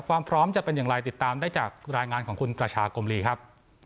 ความพร้อมจะเป็นอย่างไรติดตามได้จากรายงานของคุณประชากมลีครับ